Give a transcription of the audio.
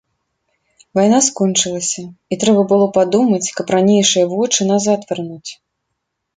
Вайна скончылася, і трэба было падумаць, каб ранейшыя вочы назад вярнуць.